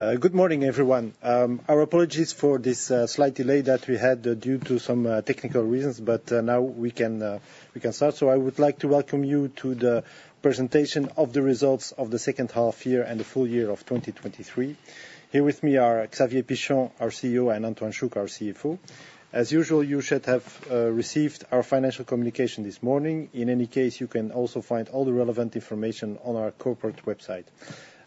Good morning, everyone. Our apologies for this slight delay that we had due to some technical reasons, but now we can start. So I would like to welcome you to the presentation of the results of the second half year and the full year of 2023. Here with me are Xavier Pichon, our CEO, and Antoine Chouc, our CFO. As usual, you should have received our financial communication this morning. In any case, you can also find all the relevant information on our corporate website.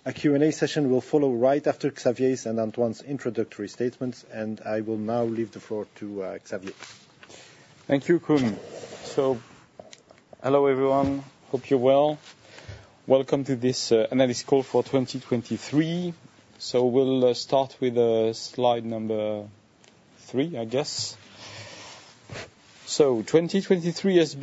A Q&A session will follow right after Xavier's and Antoine's introductory statements, and I will now leave the floor to Xavier. Thank you, Koen. Hello, everyone. Hope you're well. Welcome to this analysis call for 2023. We'll start with slide number three, I guess. 2023 has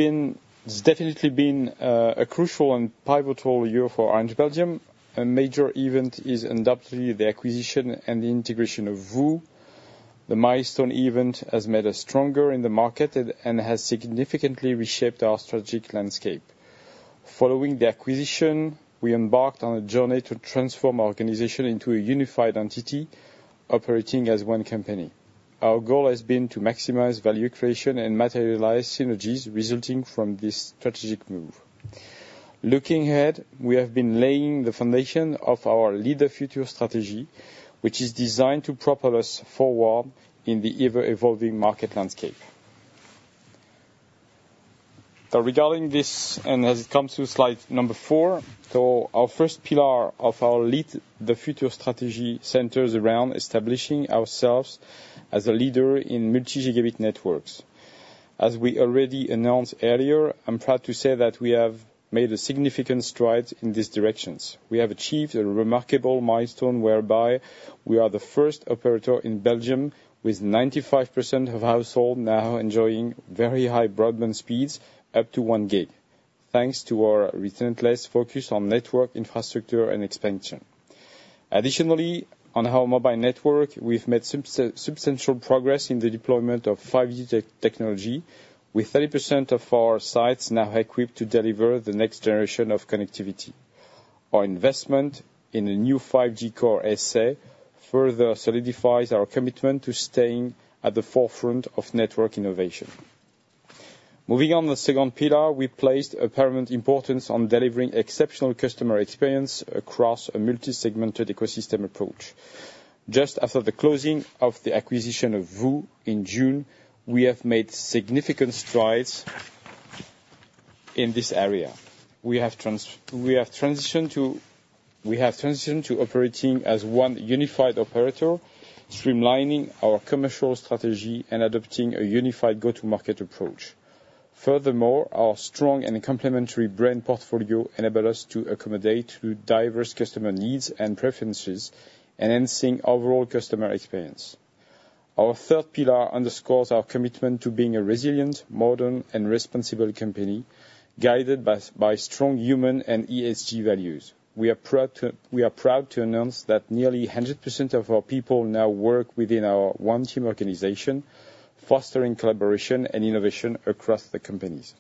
definitely been a crucial and pivotal year for Orange Belgium. A major event is undoubtedly the acquisition and the integration of VOO. The milestone event has made us stronger in the market and has significantly reshaped our strategic landscape. Following the acquisition, we embarked on a journey to transform our organization into a unified entity operating as one company. Our goal has been to maximize value creation and materialize synergies resulting from this strategic move. Looking ahead, we have been laying the foundation of our Lead the Future strategy, which is designed to propel us forward in the ever-evolving market landscape. So regarding this, and as it comes to slide number four, so our first pillar of our Lead the Future strategy centers around establishing ourselves as a leader in multi-gigabit networks. As we already announced earlier, I'm proud to say that we have made a significant stride in these directions. We have achieved a remarkable milestone, whereby we are the first operator in Belgium with 95% of household now enjoying very high broadband speeds, up to 1 gig, thanks to our relentless focus on network infrastructure and expansion. Additionally, on our mobile network, we've made substantial progress in the deployment of 5G technology, with 30% of our sites now equipped to deliver the next generation of connectivity. Our investment in the new 5G core SA further solidifies our commitment to staying at the forefront of network innovation. Moving on the second pillar, we placed a paramount importance on delivering exceptional customer experience across a multi-segmented ecosystem approach. Just after the closing of the acquisition of VOO in June, we have made significant strides in this area. We have transitioned to operating as one unified operator, streamlining our commercial strategy and adopting a unified go-to-market approach. Furthermore, our strong and complementary brand portfolio enable us to accommodate to diverse customer needs and preferences, enhancing overall customer experience. Our third pillar underscores our commitment to being a resilient, modern and responsible company, guided by strong human and ESG values. We are proud to announce that nearly 100% of our people now work within our one team organization, fostering collaboration and innovation across the companies.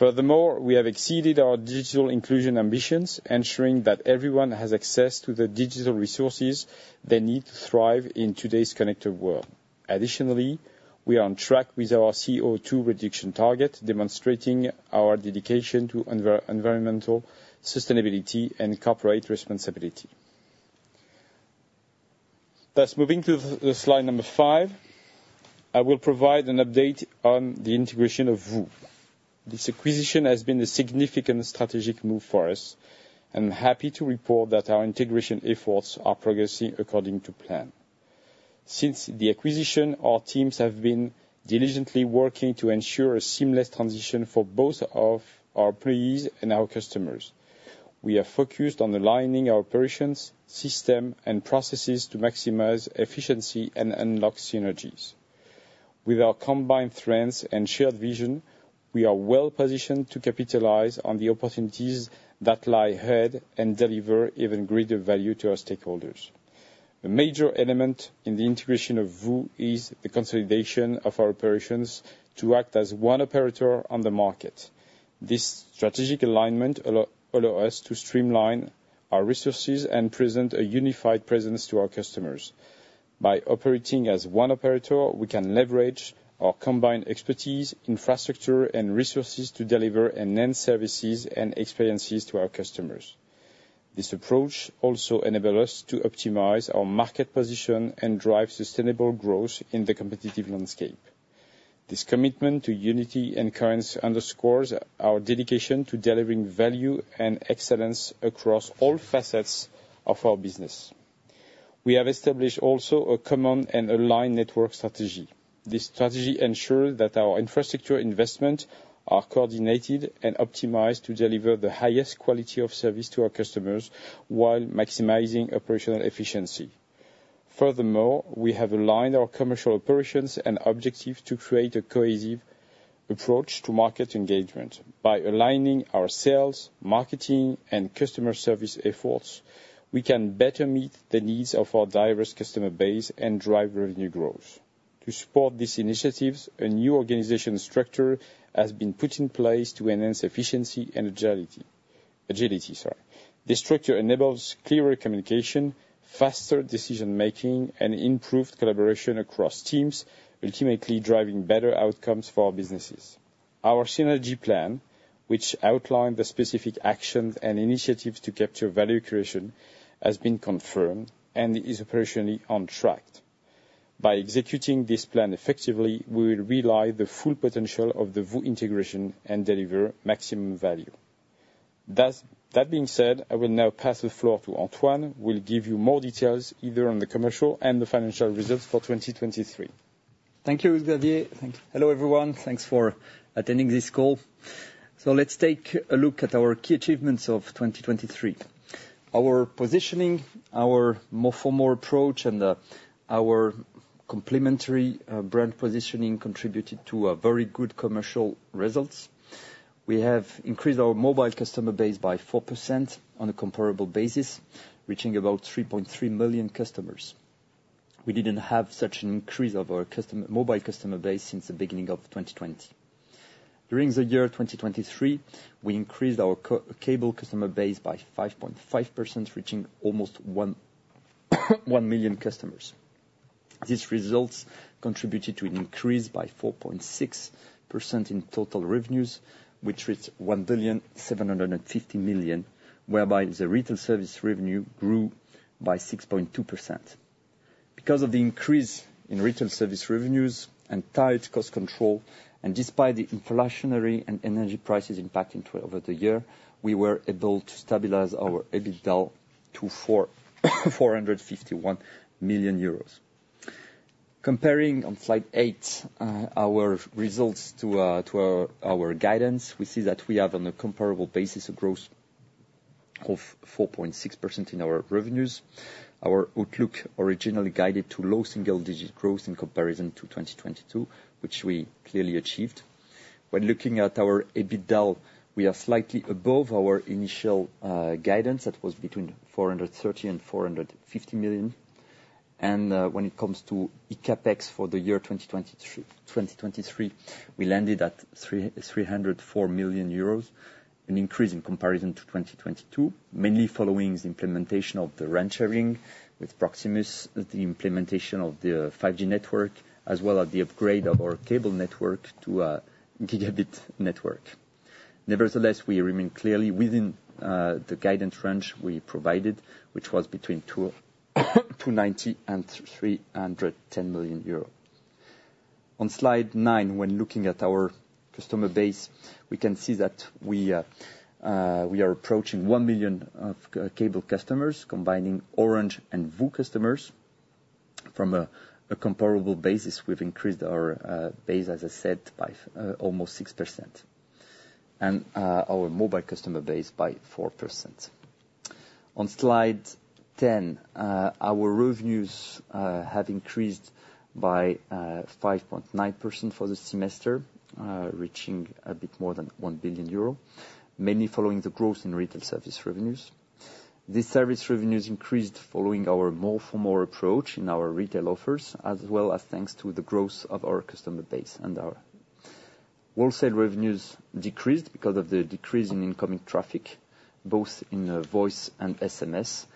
Furthermore, we have exceeded our digital inclusion ambitions, ensuring that everyone has access to the digital resources they need to thrive in today's connected world. Additionally, we are on track with our CO2 reduction target, demonstrating our dedication to environmental sustainability and corporate responsibility. Thus, moving to the slide number five, I will provide an update on the integration of VOO. This acquisition has been a significant strategic move for us, and I'm happy to report that our integration efforts are progressing according to plan. Since the acquisition, our teams have been diligently working to ensure a seamless transition for both of our employees and our customers. We are focused on aligning our operations, system, and processes to maximize efficiency and unlock synergies. With our combined strengths and shared vision, we are well positioned to capitalize on the opportunities that lie ahead and deliver even greater value to our stakeholders. A major element in the integration of VOO is the consolidation of our operations to act as one operator on the market. This strategic alignment allow us to streamline our resources and present a unified presence to our customers. By operating as one operator, we can leverage our combined expertise, infrastructure, and resources to deliver enhanced services and experiences to our customers. This approach also enable us to optimize our market position and drive sustainable growth in the competitive landscape. This commitment to unity and currents underscores our dedication to delivering value and excellence across all facets of our business. We have established also a common and aligned network strategy. This strategy ensures that our infrastructure investments are coordinated and optimized to deliver the highest quality of service to our customers while maximizing operational efficiency. Furthermore, we have aligned our commercial operations and objectives to create a cohesive approach to market engagement. By aligning our sales, marketing, and customer service efforts, we can better meet the needs of our diverse customer base and drive revenue growth. To support these initiatives, a new organizational structure has been put in place to enhance efficiency and agility. This structure enables clearer communication, faster decision-making, and improved collaboration across teams, ultimately driving better outcomes for our businesses. Our synergy plan, which outlined the specific actions and initiatives to capture value creation, has been confirmed and is operationally on track. By executing this plan effectively, we will realize the full potential of the VOO integration and deliver maximum value. Thus, that being said, I will now pass the floor to Antoine, who will give you more details either on the commercial and the financial results for 2023. Thank you, Xavier. Thank you. Hello, everyone. Thanks for attending this call. So let's take a look at our key achievements of 2023. Our positioning, our more for more approach, and our complementary brand positioning contributed to a very good commercial results. We have increased our mobile customer base by 4% on a comparable basis, reaching about 3.3 million customers. We didn't have such an increase of our mobile customer base since the beginning of 2020. During the year 2023, we increased our cable customer base by 5.5%, reaching almost 1.1 million customers. These results contributed to an increase by 4.6% in total revenues, which reached 1.75 billion, whereby the retail service revenue grew by 6.2%. Because of the increase in retail service revenues and tight cost control, and despite the inflationary and energy prices impacting over the year, we were able to stabilize our EBITDA to 451 million euros. Comparing on slide eight, our results to our guidance, we see that we have, on a comparable basis, a growth of 4.6% in our revenues. Our outlook originally guided to low single-digit growth in comparison to 2022, which we clearly achieved. When looking at our EBITDA, we are slightly above our initial guidance. That was between 430 million and 450 million. When it comes to ECAPEX for the year 2023, we landed at 304 million euros, an increase in comparison to 2022, mainly following the implementation of the RAN-sharing with Proximus, the implementation of the 5G network, as well as the upgrade of our cable network to a gigabit network. Nevertheless, we remain clearly within the guidance range we provided, which was between 290 million and 310 million euros. On slide nine, when looking at our customer base, we can see that we are approaching 1 million cable customers, combining Orange and VOO customers. From a comparable basis, we've increased our base, as I said, by almost 6%, and our mobile customer base by 4%. On slide 10, our revenues have increased by 5.9% for this semester, reaching a bit more than 1 billion euro, mainly following the growth in retail service revenues. These service revenues increased following our more for more approach in our retail offers, as well as thanks to the growth of our customer base. Our wholesale revenues decreased because of the decrease in incoming traffic, both in the voice and SMS.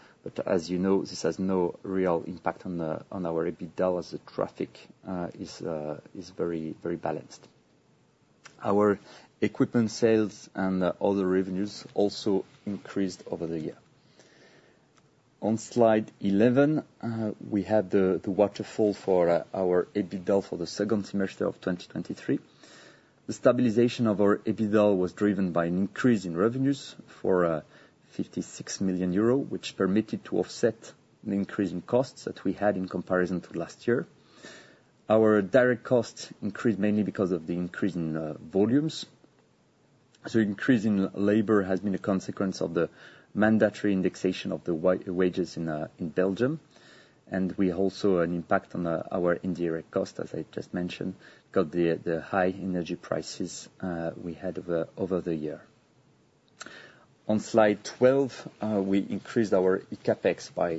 As you know, this has no real impact on our EBITDA, as the traffic is very, very balanced. Our equipment sales and other revenues also increased over the year. On slide 11, we had the waterfall for our EBITDA for the second semester of 2023. The stabilization of our EBITDA was driven by an increase in revenues for 56 million euro, which permitted to offset an increase in costs that we had in comparison to last year. Our direct costs increased mainly because of the increase in volumes. So increase in labor has been a consequence of the mandatory indexation of the wages in Belgium, and we also an impact on our indirect costs, as I just mentioned, because the high energy prices we had over the year. On slide 12, we increased our ECAPEX by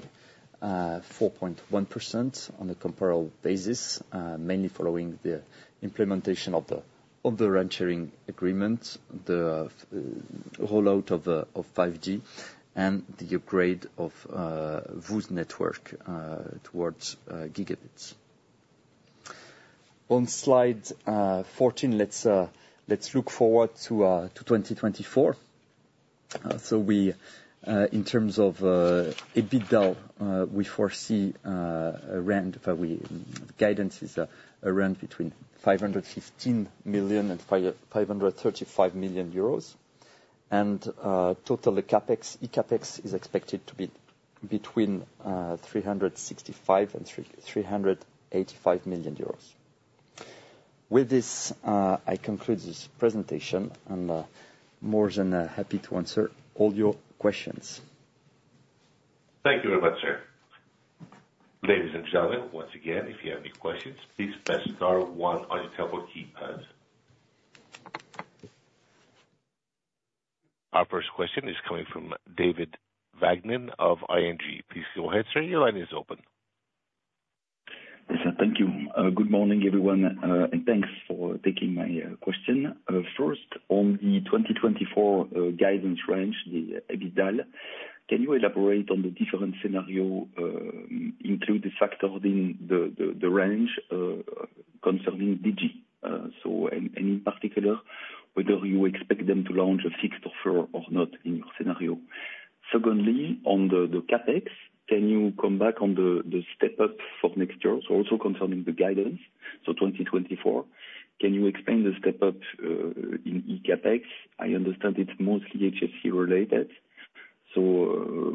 4.1% on a comparable basis, mainly following the implementation of the RAN-sharing agreement, the rollout of 5G, and the upgrade of VOO's network towards gigabits. On slide 14, let's look forward to 2024. So we in terms of EBITDA we foresee around guidance is around between 515 million and 535 million euros. And total CapEx, eCapEx, is expected to be between 365 million and 385 million euros. With this, I conclude this presentation, and more than happy to answer all your questions. Thank you very much, sir. Ladies and gentlemen, once again, if you have any questions, please press star one on your telephone keypad.... Our first question is coming from David Vagman of ING. Please go ahead, sir. Your line is open. Yes, thank you. Good morning, everyone, and thanks for taking my question. First, on the 2024 guidance range, the EBITDA, can you elaborate on the different scenario, include the factors in the range, concerning Digi? So and, in particular, whether you expect them to launch a fixed offer or not in your scenario. Secondly, on the CapEx, can you come back on the step up for next year? So also concerning the guidance, so 2024, can you explain the step up in eCapEx? I understand it's mostly HFC related, so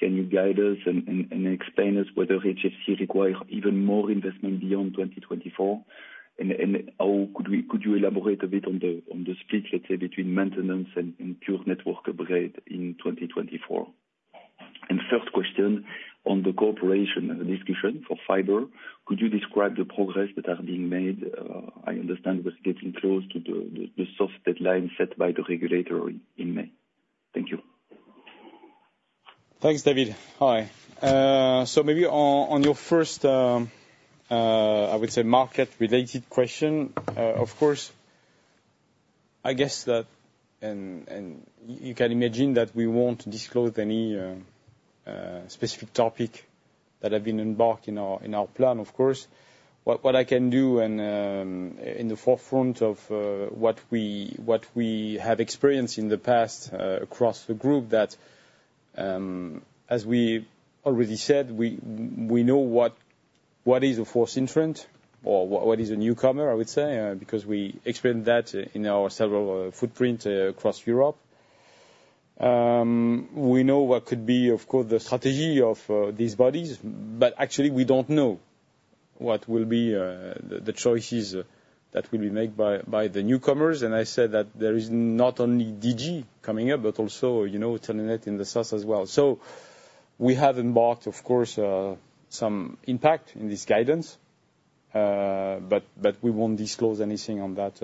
can you guide us and explain us whether HFC require even more investment beyond 2024? How could you elaborate a bit on the split, let's say, between maintenance and pure network upgrade in 2024? And third question, on the corporation and the discussion for fiber, could you describe the progress that are being made? I understand it was getting close to the soft deadline set by the regulator in May. Thank you. Thanks, David. Hi. So maybe on, on your first, I would say market-related question, of course, I guess that and, and you can imagine that we won't disclose any specific topic that have been embarked in our, in our plan, of course. What I can do and, in the forefront of what we, what we have experienced in the past, across the group that, as we already said, we, we know what is a fourth entrant or what is a newcomer, I would say, because we experienced that in our several footprint across Europe. We know what could be, of course, the strategy of these bodies, but actually we don't know what will be the choices that will be made by the newcomers. I said that there is not only Digi coming up, but also, you know, Telenet in the south as well. So we have embarked, of course, some impact in this guidance, but we won't disclose anything on that,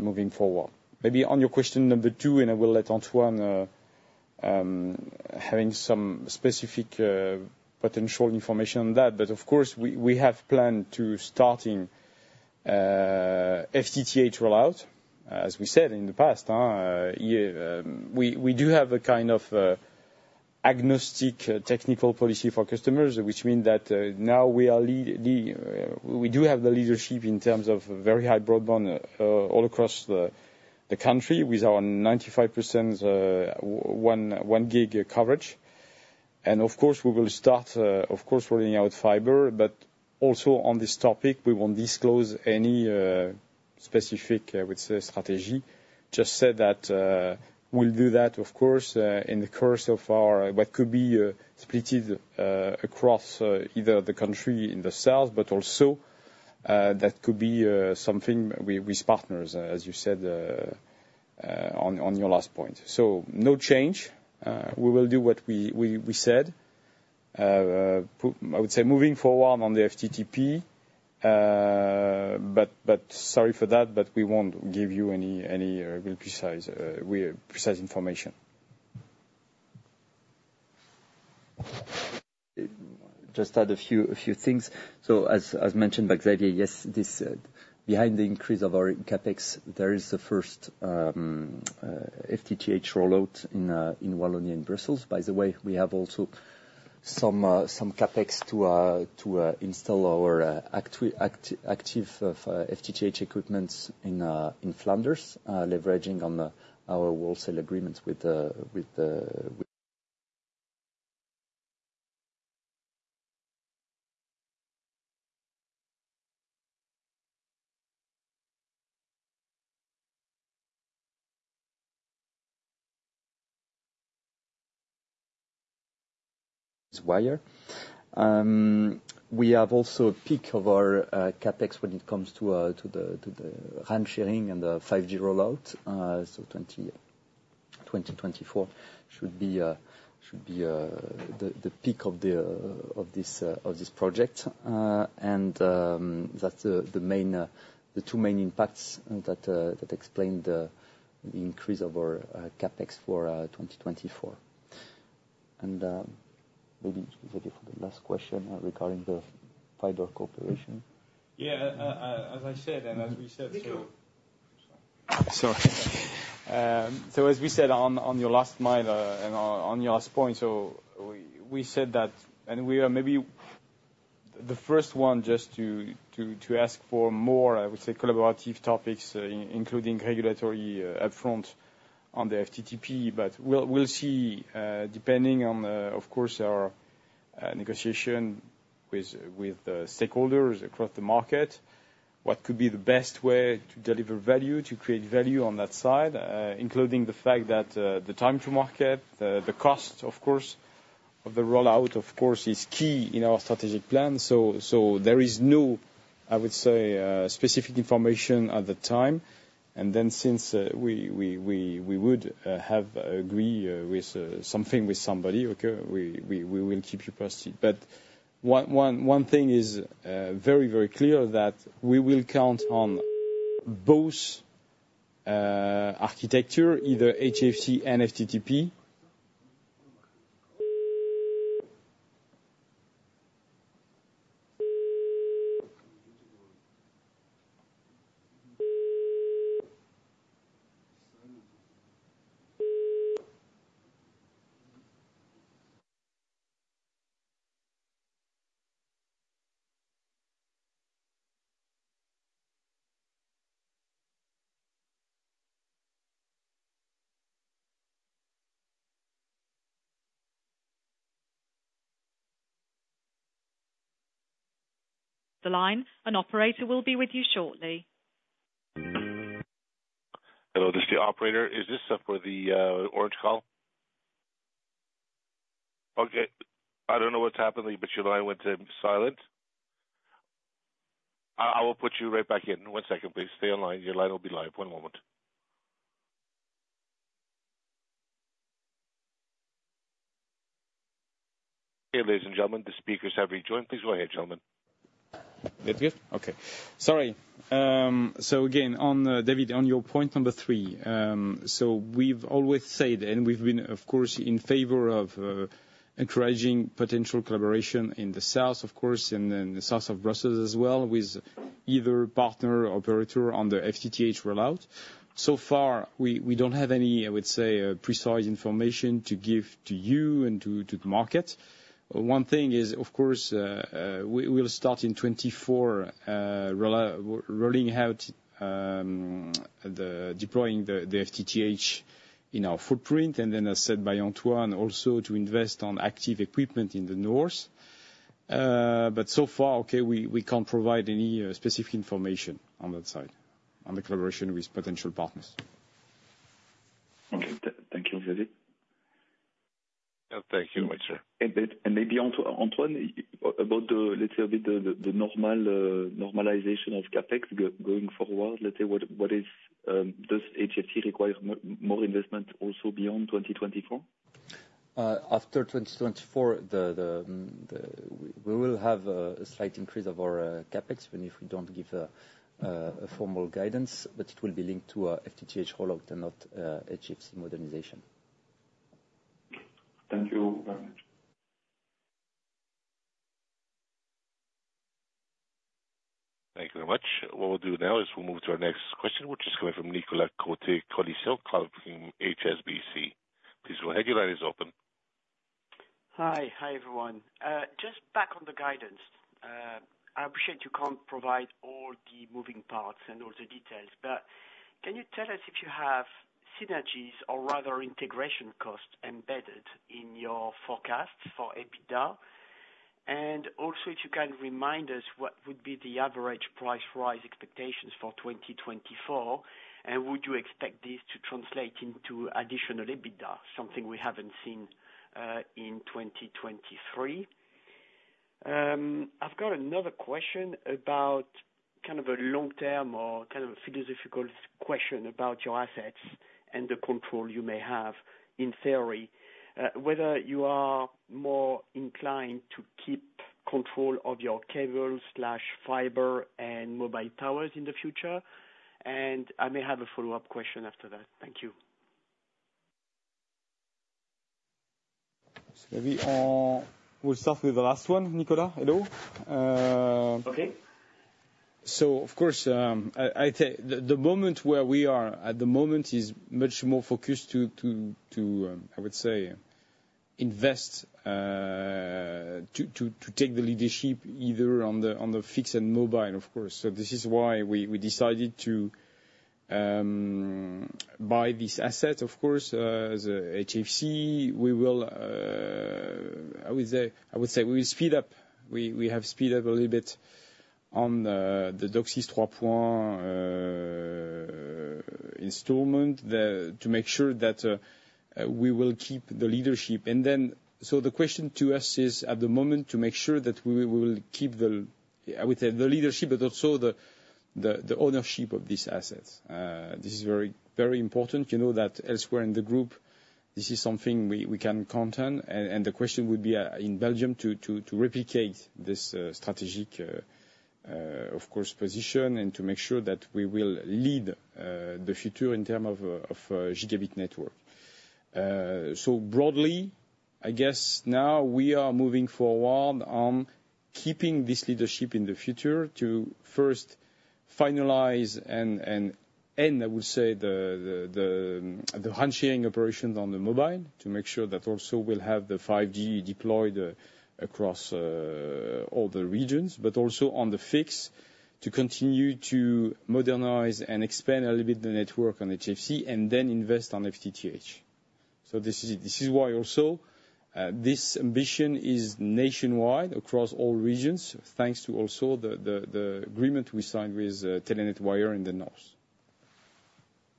moving forward. Maybe on your question number two, and I will let Antoine having some specific potential information on that. But of course, we have planned to starting FTTH rollout, as we said in the past. We do have a kind of agnostic technical policy for customers, which mean that now we are lead-lead, we do have the leadership in terms of very high broadband all across the country, with around 95% 1 gig coverage. And of course, we will start, of course, rolling out fiber. But also on this topic, we won't disclose any specific with the strategy. Just say that we'll do that, of course, in the course of our what could be split across either the country in the south, but also that could be something with partners, as you said, on your last point. So no change. We will do what we said. I would say moving forward on the FTTP, but sorry for that, but we won't give you any precise information. Just add a few things. So as mentioned by Xavier, yes, this behind the increase of our CapEx, there is the first FTTH rollout in Wallonia and Brussels. By the way, we have also some CapEx to install our active FTTH equipment in Flanders, leveraging on our wholesale agreements with Wyre. We have also a peak of our CapEx when it comes to the RAN-sharing and the 5G rollout. So 2024 should be the peak of this project. And that's the two main impacts that explain the increase of our CapEx for 2024. Maybe the last question regarding the fiber cooperation. Yeah, as I said, and as we said, so- Sorry. Sorry. So as we said on your last mile, and on your last point, so we said that. And we are maybe the first one just to ask for more, I would say, collaborative topics, including regulatory, upfront on the FTTP. But we'll see, depending on, of course, our negotiation with the stakeholders across the market, what could be the best way to deliver value, to create value on that side, including the fact that, the time to market, the cost, of course, of the rollout, of course, is key in our strategic plan. So there is no, I would say, specific information at the time. And then since we would have agree with something with somebody, okay, we will keep you posted. But one thing is very clear that we will count on both architecture, either HFC and FTTP- ... The line, an operator will be with you shortly. Hello, this is the operator. Is this for the Orange call? Okay, I don't know what's happening, but your line went to silent. I will put you right back in, one second please. Stay on line. Your line will be live. One moment. Hey, ladies and gentlemen, the speakers have rejoined. Please go ahead, gentlemen. That good? Okay. Sorry. So again, on David, on your point number three, so we've always said, and we've been, of course, in favor of encouraging potential collaboration in the south, of course, and then the south of Brussels as well, with either partner or operator on the FTTH rollout. So far, we don't have any, I would say, precise information to give to you and to the market. One thing is, of course, we'll start in 2024, rolling out, deploying the FTTH in our footprint, and then as said by Antoine, also to invest on active equipment in the north. But so far, okay, we can't provide any specific information on that side, on the collaboration with potential partners. Okay. Thank you, David. Thank you much, sir. Maybe Antoine, about the, let's say, the normalization of CapEx going forward, let's say, does HFC require more investment also beyond 2024? After 2024, we will have a slight increase of our CapEx, even if we don't give a formal guidance, but it will be linked to our FTTH rollout and not HFC modernization. Thank you very much. Thank you very much. What we'll do now is we'll move to our next question, which is coming from Nicolas Cote-Colisson from HSBC. Please go ahead, your line is open. Hi. Hi, everyone. Just back on the guidance, I appreciate you can't provide all the moving parts and all the details, but can you tell us if you have synergies or rather integration costs embedded in your forecast for EBITDA? And also, if you can remind us, what would be the average price rise expectations for 2024, and would you expect this to translate into additional EBITDA, something we haven't seen in 2023? I've got another question about kind of a long-term or kind of a philosophical question about your assets and the control you may have, in theory, whether you are more inclined to keep control of your cable slash fiber and mobile towers in the future? And I may have a follow-up question after that. Thank you. So maybe we'll start with the last one, Nicola. Hello? Okay. So of course, the moment where we are at the moment is much more focused to invest to take the leadership either on the fixed and mobile, of course. So this is why we decided to buy this asset, of course, the HFC. I would say we will speed up. We have speed up a little bit on the DOCSIS 3.1 installation to make sure that we will keep the leadership. So the question to us is, at the moment, to make sure that we will keep the leadership, but also the ownership of these assets. This is very, very important. You know that elsewhere in the group, this is something we can count on, and the question would be in Belgium to replicate this strategic, of course, position and to make sure that we will lead the future in term of gigabit network. So broadly, I guess now we are moving forward on keeping this leadership in the future to first finalize and end, I would say, the RAN-sharing operations on the mobile, to make sure that also we'll have the 5G deployed across all the regions. But also on the fixed, to continue to modernize and expand a little bit the network on HFC, and then invest on FTTH. So this is why also this ambition is nationwide across all regions, thanks to also the agreement we signed with Telenet Wyre in the north.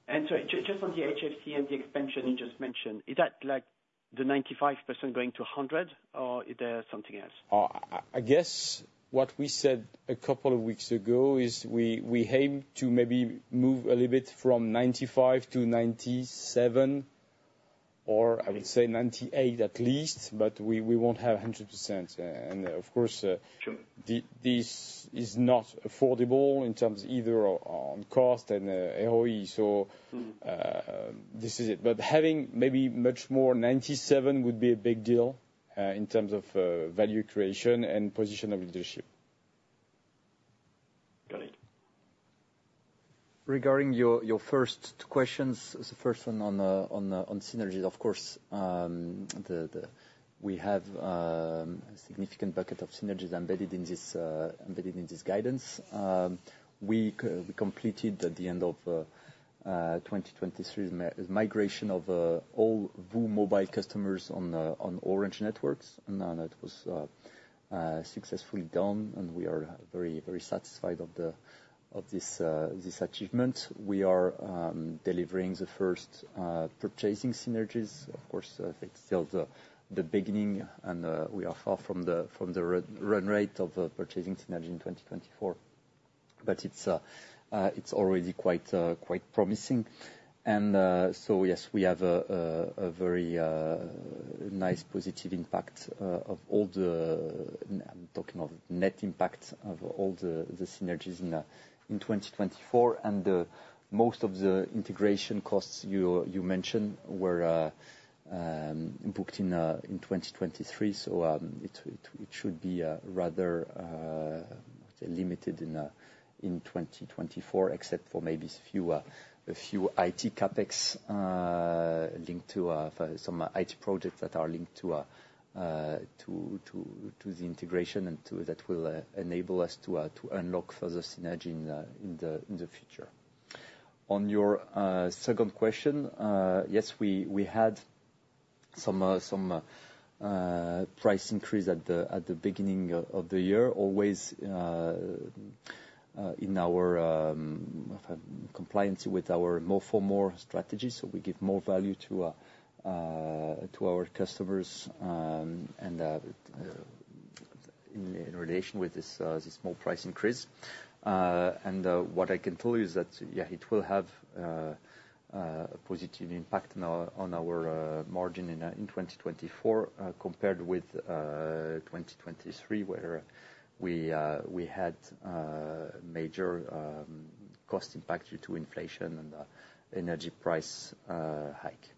Sorry, just on the HFC and the expansion you just mentioned, is that like the 95% going to 100, or is there something else? I guess what we said a couple of weeks ago is we aim to maybe move a little bit from 95% to 97%, or I would say 98% at least, but we won't have 100%. And of course, Sure. This is not affordable in terms either on cost and ROE, so- Mm. This is it. But having maybe much more 97 would be a big deal in terms of value creation and position of leadership. ... Regarding your first two questions, the first one on synergies, of course, we have a significant bucket of synergies embedded in this guidance. We completed at the end of 2023, migration of all VOO mobile customers on Orange networks, and that was successfully done, and we are very, very satisfied of this achievement. We are delivering the first purchasing synergies. Of course, it's still the beginning, and we are far from the run rate of purchasing synergy in 2024. But it's already quite promising. So yes, we have a very nice positive impact of all the. I'm talking of the net impact of all the synergies in 2024. Most of the integration costs you mentioned were booked in 2023, so it should be rather limited in 2024, except for maybe a few IT CapEx linked to some IT projects that are linked to the integration and that will enable us to unlock further synergy in the future. On your second question, yes, we had some price increase at the beginning of the year, always in our compliance with our more for more strategy. So we give more value to our customers, and in relation with this small price increase. And what I can tell you is that, yeah, it will have a positive impact on our margin in 2024, compared with 2023, where we had major cost impact due to inflation and energy price hike.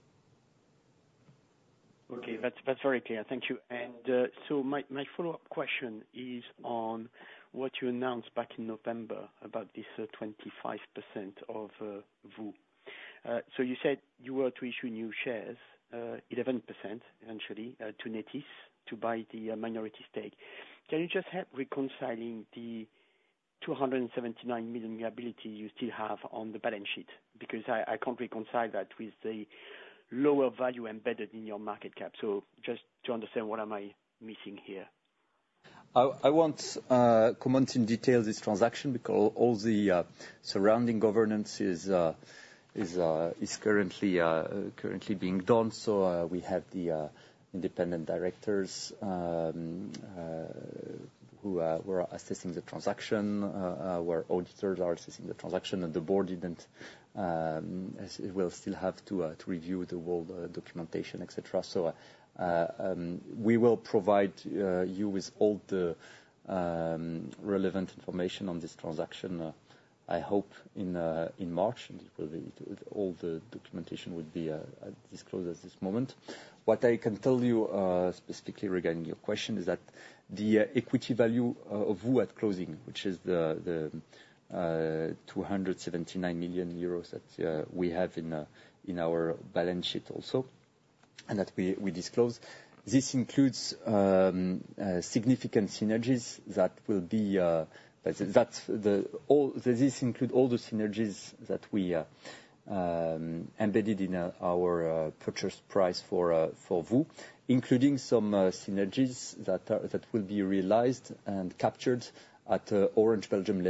Okay, that's, that's very clear. Thank you. And so my follow-up question is on what you announced back in November about this 25% of VOO. So you said you were to issue new shares 11% eventually to Nethys to buy the minority stake. Can you just help reconciling the 279 million liability you still have on the balance sheet? Because I can't reconcile that with the lower value embedded in your market cap. So just to understand, what am I missing here? I won't comment in detail this transaction because all the surrounding governance is currently being done. So, we have the independent directors who were assessing the transaction, where auditors are assessing the transaction, and the board didn't, as it will still have to review the whole documentation, et cetera. So, we will provide you with all the relevant information on this transaction, I hope in March, and it will be, all the documentation will be disclosed at this moment. What I can tell you, specifically regarding your question, is that the equity value of VOO at closing, which is the 279 million euros that we have in our balance sheet also, and that we disclose. This includes significant synergies that will be. This include all the synergies that we embedded in our purchase price for VOO, including some synergies that will be realized and captured at Orange Belgium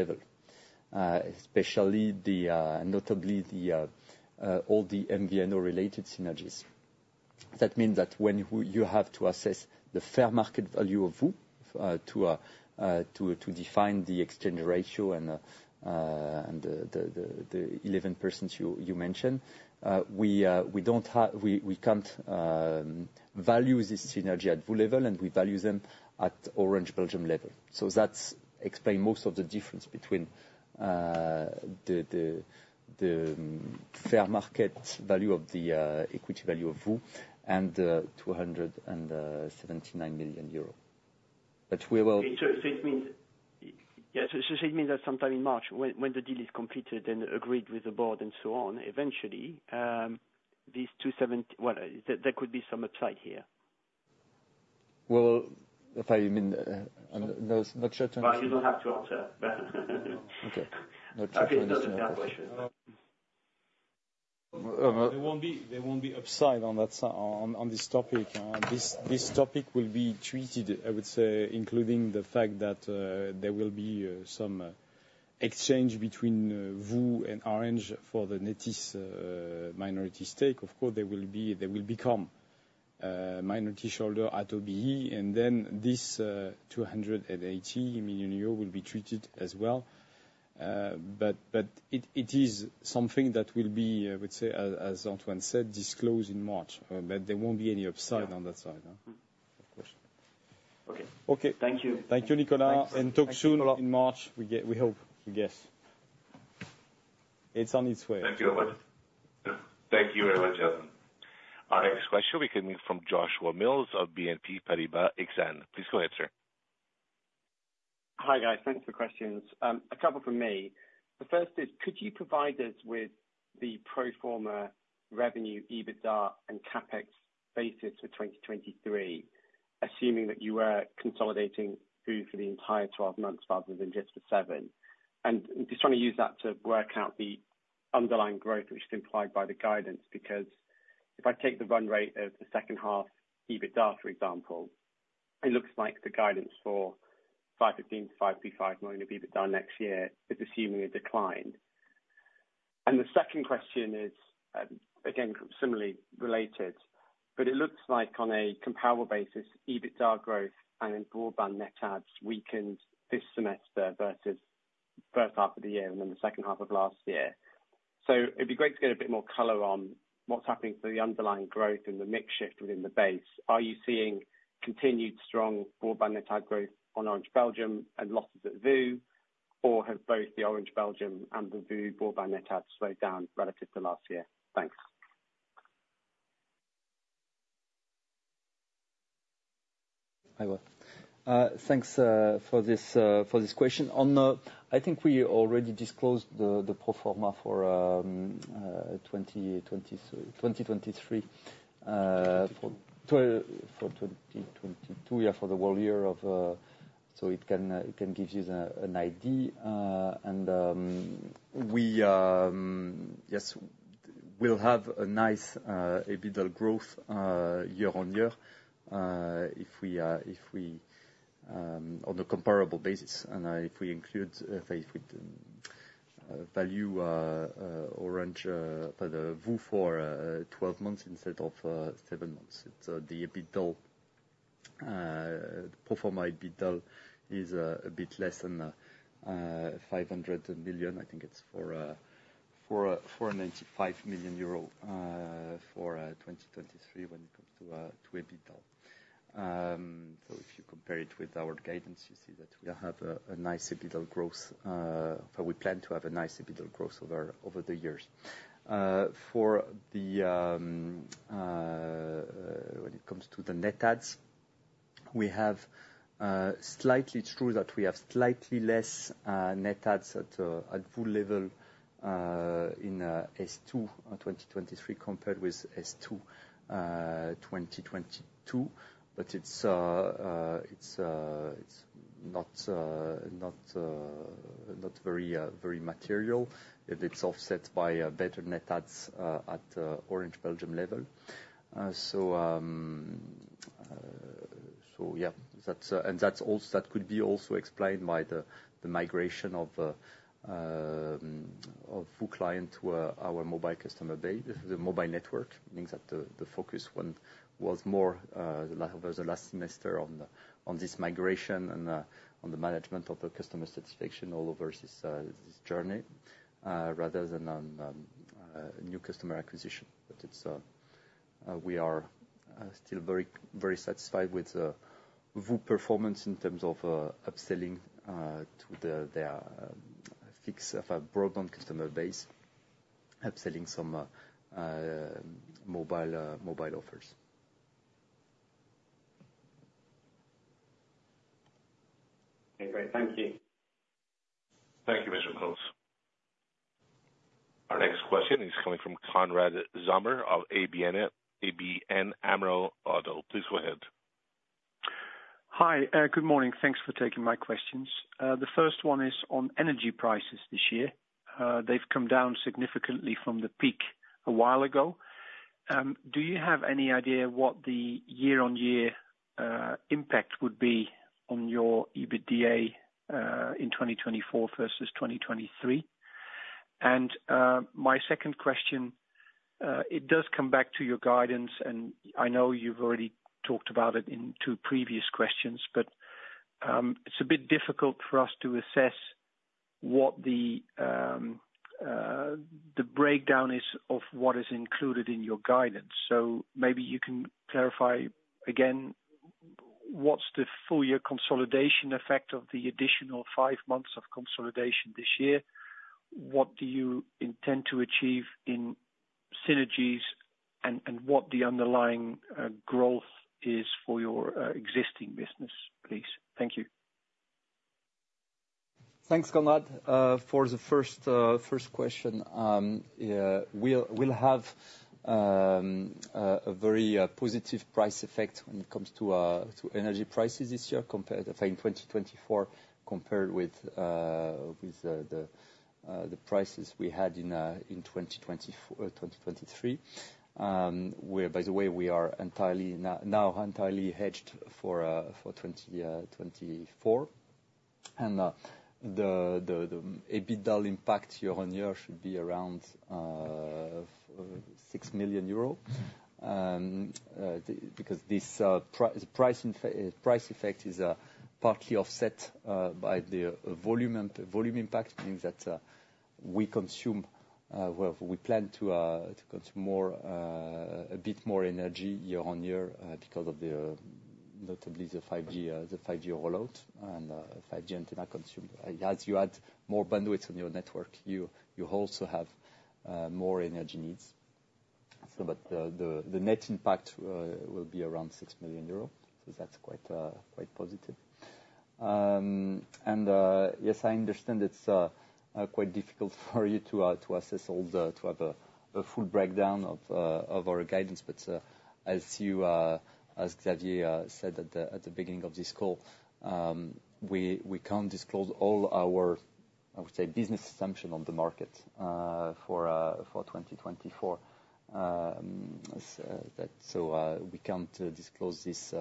level. Especially, notably, all the MVNO-related synergies. That means that when you have to assess the fair market value of VOO, to define the exchange ratio and the 11% you mentioned, we don't have, we can't value this synergy at VOO level, and we value them at Orange Belgium level. So that's explain most of the difference between the fair market value of the equity value of VOO and 279 million euro. But we will- So it means, yeah, it means that sometime in March, when the deal is completed and agreed with the board and so on, eventually, these 270... Well, there could be some upside here. Well, if I mean, not sure to understand. Well, you don't have to answer. Okay. Not sure to understand the question. There won't be, there won't be upside on that on, on this topic, this topic will be treated, I would say, including the fact that, there will be, some exchange between, VOO and Orange for the Nethys, minority stake. Of course, they will become, minority shareholder at OBE, and then this, 280 million euro will be treated as well. But it is something that will be, I would say, as Antoine said, disclosed in March, but there won't be any upside on that side, of course. Okay. Okay. Thank you. Thank you, Nicolas, and talk soon in March, we get, we hope, yes.... It's on its way. Thank you very much. Thank you very much, Alvin. Our next question we can move from Joshua Mills of BNP Paribas Exane. Please go ahead, sir. Hi, guys. Thanks for the questions. A couple from me. The first is, could you provide us with the pro forma revenue, EBITDA and CapEx basis for 2023, assuming that you were consolidating VOO for the entire 12 months rather than just the 7? And just trying to use that to work out the underlying growth which is implied by the guidance, because if I take the run rate of the second half EBITDA, for example, it looks like the guidance for 515 million-555 million of EBITDA next year is assuming a decline. And the second question is, again, similarly related, but it looks like on a comparable basis, EBITDA growth and broadband net adds weakened this semester versus first half of the year and then the second half of last year. So it'd be great to get a bit more color on what's happening to the underlying growth and the mix shift within the base. Are you seeing continued strong broadband net add growth on Orange Belgium and losses at VOO, or have both the Orange Belgium and the VOO broadband net adds slowed down relative to last year? Thanks. Hi, well, thanks for this question. On the, I think we already disclosed the pro forma for 2023 for 2022, yeah, for the whole year, so it can give you an idea. And, yes, we'll have a nice EBITDA growth year-on-year if we on a comparable basis, and if we include value Orange for the VOO for 12 months instead of seven months. It's the EBITDA pro forma EBITDA is a bit less than 500 million. I think it's 495 million euro for 2023, when it comes to EBITDA. So if you compare it with our guidance, you see that we have a nice EBITDA growth, or we plan to have a nice EBITDA growth over the years. When it comes to the net adds, we have slightly less net adds at VOO level in S2 in 2023, compared with S2 in 2022. But it's not very material. It's offset by better net adds at Orange Belgium level. So yeah, that's, and that could be also explained by the migration of VOO client to our mobile customer base. The mobile network means that the focus one was more over the last semester on this migration and on the management of the customer satisfaction all over this journey rather than on new customer acquisition. But we are still very, very satisfied with the VOO performance in terms of upselling to their fixed of a broadband customer base, upselling some mobile mobile offers. Okay, great. Thank you. Thank you, Mr. Mills. Our next question is coming from Konrad Zomer of ABN AMRO ODDO. Please go ahead. Hi, good morning. Thanks for taking my questions. The first one is on energy prices this year. They've come down significantly from the peak a while ago. Do you have any idea what the year-on-year impact would be on your EBITDA in 2024 versus 2023? And my second question, it does come back to your guidance, and I know you've already talked about it in two previous questions, but it's a bit difficult for us to assess what the breakdown is of what is included in your guidance. So maybe you can clarify again, what's the full year consolidation effect of the additional five months of consolidation this year? What do you intend to achieve in synergies, and what the underlying growth is for your existing business, please? Thank you. Thanks, Konrad. For the first question, yeah, we'll have a very positive price effect when it comes to energy prices this year compared in 2024, compared with the prices we had in 2024, 2023. Where, by the way, we are now entirely hedged for 2024. The EBITDA impact year-on-year should be around 6 million euro. Because this price effect is partly offset by the volume and volume impact means that we consume, well, we plan to consume more, a bit more energy year-on-year, because of the... Notably the 5G, the 5G rollout and 5G antenna consumer. As you add more bandwidth on your network, you also have more energy needs. So but the net impact will be around 6 million euros, so that's quite positive. Yes, I understand it's quite difficult for you to have a full breakdown of our guidance. But as Xavier said at the beginning of this call, we can't disclose all our, I would say, business assumption on the market for 2024. So we can't disclose this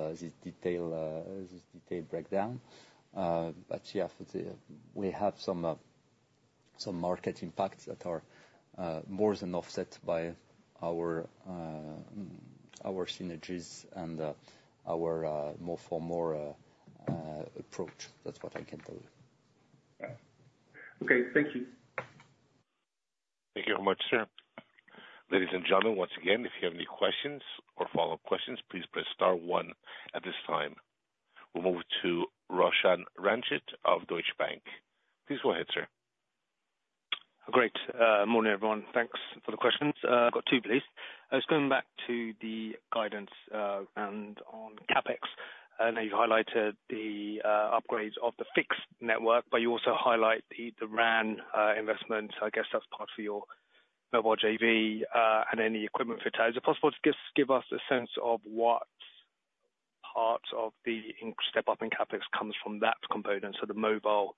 detailed breakdown. But yeah, for the, we have some some market impacts that are more than offset by our our synergies and our more for more approach. That's what I can tell you. Okay. Thank you. Thank you very much, sir. Ladies and gentlemen, once again, if you have any questions or follow-up questions, please press star one. At this time, we'll move to Roshan Ranjit of Deutsche Bank. Please go ahead, sir. Great. Morning, everyone. Thanks for the questions. I've got two, please. Just going back to the guidance, and on CapEx, I know you've highlighted the upgrades of the fixed network, but you also highlight the RAN investment. I guess that's part of your mobile JV, and any equipment for it. Is it possible to just give us a sense of what part of the step-up in CapEx comes from that component, so the mobile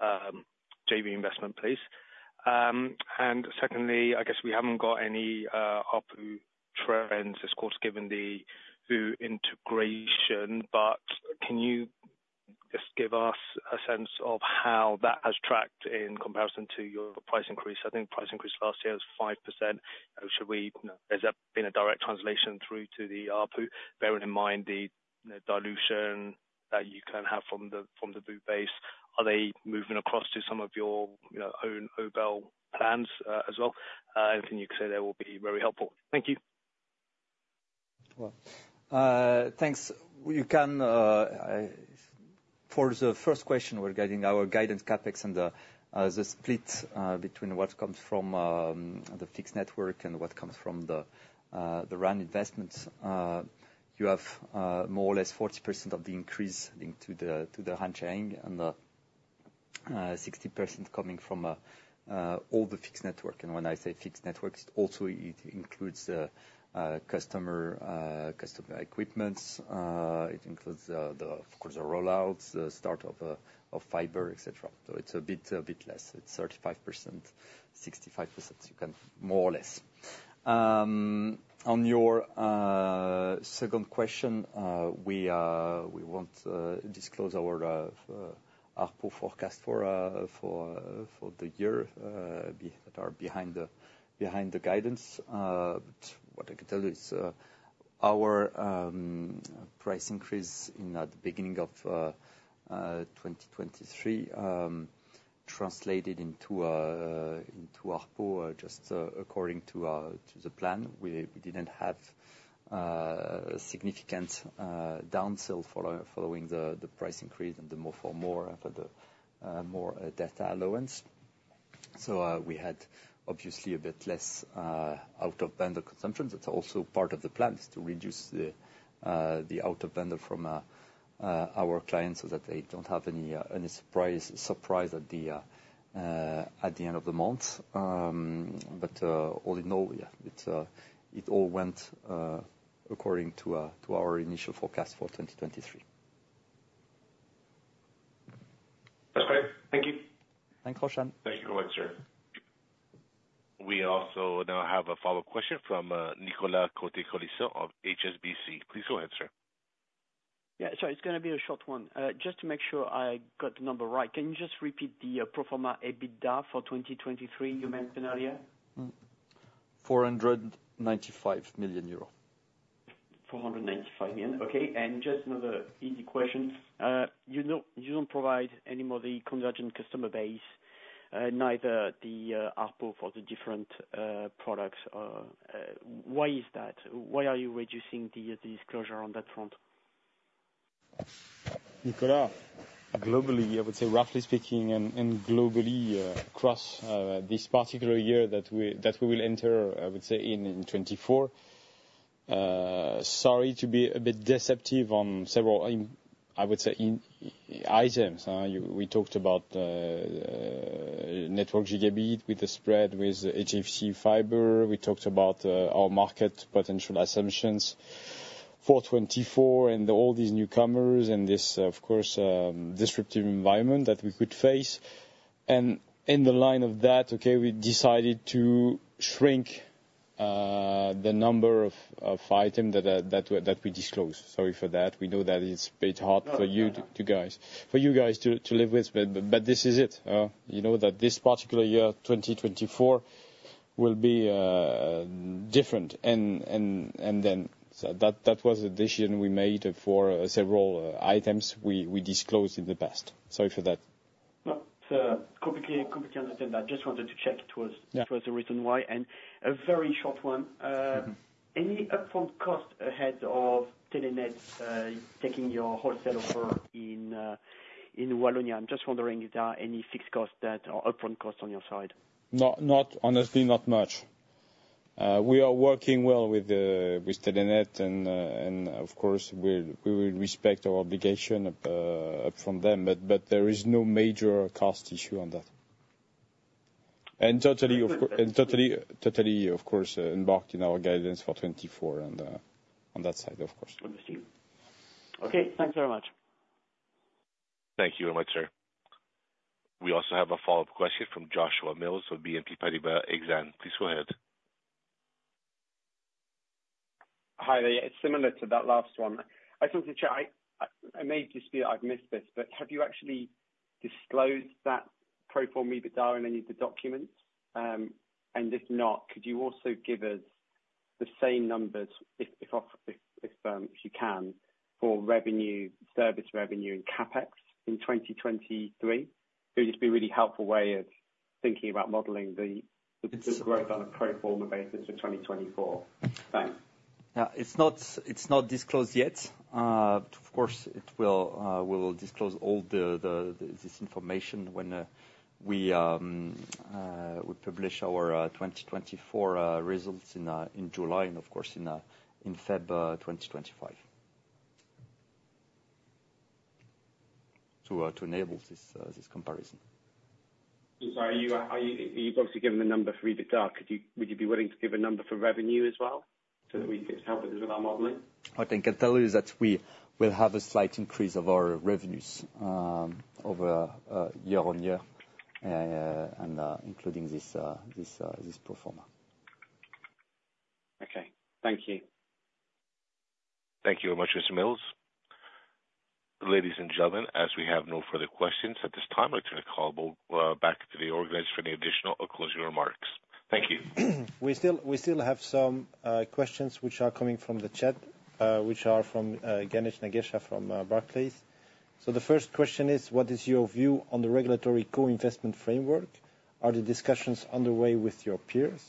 JV investment, please? And secondly, I guess we haven't got any ARPU trends this quarter, given the VOO integration, but can you just give us a sense of how that has tracked in comparison to your price increase? I think price increase last year was 5%. Should we, has that been a direct translation through to the ARPU, bearing in mind the, the dilution that you can have from the, from the VOO base? Are they moving across to some of your, you know, own mobile plans, as well? Anything you can say there will be very helpful. Thank you. Well, thanks. For the first question regarding our guidance CapEx and the split between what comes from the fixed network and what comes from the RAN investments, you have more or less 40% of the increase into the RAN-sharing, and 60% coming from all the fixed network. And when I say fixed network, it also includes the customer equipments. It includes, of course, the rollouts, the start of fiber, et cetera. So it's a bit less. It's 35%, 65%, you can more or less. On your second question, we won't disclose our ARPU forecast for the year behind that are behind the guidance. But what I can tell you is, our price increase in the beginning of 2023 translated into ARPU, just according to the plan. We didn't have significant down-sell following the price increase and the more for more for the more data allowance. So, we had obviously a bit less out-of-bundle consumption. That's also part of the plan, is to reduce the out-of-band from our clients so that they don't have any surprise at the end of the month. But all in all, yeah, it all went according to our initial forecast for 2023. That's great. Thank you. Thanks, Roshan. Thank you, Roshan, sir. We also now have a follow-up question from Nicolas Cote-Colisson of HSBC. Please go ahead, sir. Yeah, sorry. It's gonna be a short one. Just to make sure I got the number right, can you just repeat the pro forma EBITDA for 2023 you mentioned earlier? 495 million euro. 495 million. Okay, and just another easy question. You don't, you don't provide any more the convergent customer base, neither the, ARPU for the different, products. Why is that? Why are you reducing the, the disclosure on that front? Nicolas, globally, I would say, roughly speaking and, and globally, across, this particular year that we, that we will enter, I would say in, in 2024, sorry to be a bit deceptive on several, I, I would say, in items. You, we talked about, network gigabit with the spread, with HFC fiber. We talked about, our market potential assumptions for 2024 and all these newcomers and this, of course, disruptive environment that we could face. And in the line of that, okay, we decided to shrink, the number of, of item that, that, that we disclose. Sorry for that. We know that it's a bit hard for you- No ...to guys, for you guys to live with, but this is it. You know that this particular year, 2024, will be different. And so that was the decision we made for several items we disclosed in the past. Sorry for that. ... No, so completely, completely understand that. Just wanted to check it was- Yeah. There was a reason why. And a very short one. Mm-hmm. Any upfront cost ahead of Telenet taking your wholesale offer in Wallonia? I'm just wondering if there are any fixed costs that, or upfront costs on your side. Honestly, not much. We are working well with Telenet, and of course, we will respect our obligation up front them, but there is no major cost issue on that. And totally, of course, and totally, totally, of course, embarked in our guidance for 2024 on that side, of course. Understood. Okay, thanks very much. Thank you very much, sir. We also have a follow-up question from Joshua Mills with BNP Paribas Exane. Please go ahead. Hi there. It's similar to that last one. I think it may just be I've missed this, but have you actually disclosed that pro forma EBITDA in any of the documents? And if not, could you also give us the same numbers, if you can, for revenue, service revenue and CapEx in 2023? It would just be a really helpful way of thinking about modeling the growth on a pro forma basis for 2024. Thanks. Yeah. It's not, it's not disclosed yet. But of course, we will disclose all this information when we publish our 2024 results in July, and of course, in February 2025 to enable this comparison. So you've obviously given the number for EBITDA. Could you, would you be willing to give a number for revenue as well, so that we could help us with our modeling? What I can tell you is that we will have a slight increase of our revenues over year-on-year and including this pro forma. Okay. Thank you. Thank you very much, Mr. Mills. Ladies and gentlemen, as we have no further questions at this time, I turn the call back, back to the organizers for any additional or closing remarks. Thank you. We still, we still have some questions which are coming from the chat, which are from Ganesh Nagesha, from Barclays. So the first question is: What is your view on the regulatory co-investment framework? Are the discussions underway with your peers?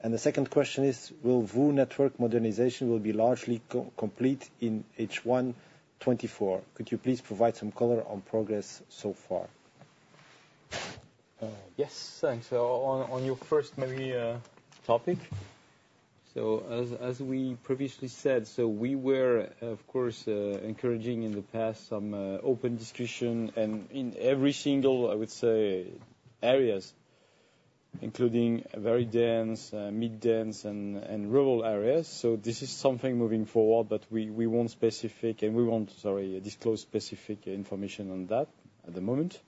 And the second question is: Will VOO network modernization will be largely complete in H1 2024? Could you please provide some color on progress so far? Yes, thanks. So on your first maybe topic. So as we previously said, so we were, of course, encouraging in the past some open discussion and in every single, I would say, areas, including very dense, mid-dense, and rural areas. So this is something moving forward, but we won't specific, and we won't, sorry, disclose specific information on that at the moment.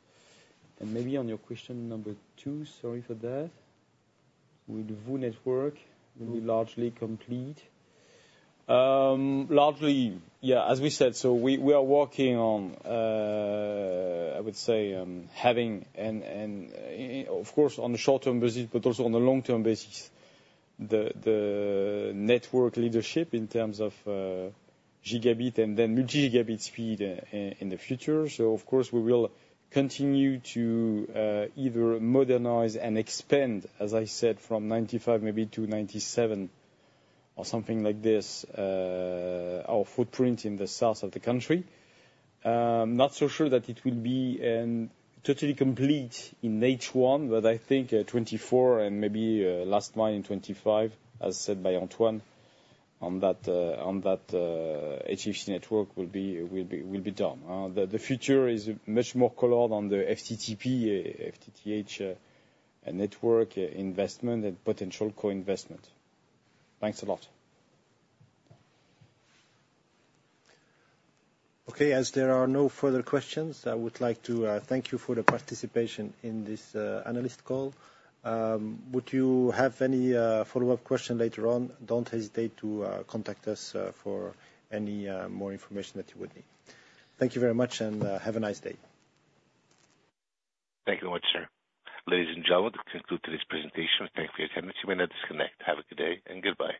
And maybe on your question number two, sorry for that. Will the VOO network will be largely complete? Largely, yeah, as we said, so we are working on, I would say, having and, of course, on a short-term basis, but also on a long-term basis, the network leadership in terms of gigabit and then multi-gigabit speed in the future. So of course, we will continue to either modernize and expand, as I said, from 95 maybe to 97, or something like this, our footprint in the south of the country. Not so sure that it will be totally complete in H1, but I think 2024 and maybe last mile in 2025, as said by Antoine, on that HFC network will be done. The future is much more colored on the FTTP, FTTH, network investment and potential co-investment. Thanks a lot. Okay, as there are no further questions, I would like to thank you for the participation in this analyst call. Would you have any follow-up question later on? Don't hesitate to contact us for any more information that you would need. Thank you very much, and have a nice day. Thank you very much, sir. Ladies and gentlemen, this concludes today's presentation. Thank you for your attendance. You may now disconnect. Have a good day and goodbye.